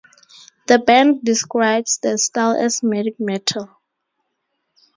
The band describes the style as Vedic metal.